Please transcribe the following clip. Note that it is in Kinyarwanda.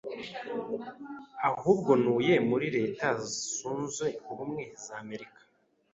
ahubwo ntuye muri leta zunze ubumwe za America